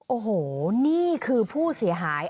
โอ้โหนี่คือผู้เสียหาย